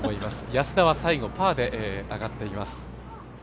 安田は最後パーであがっています。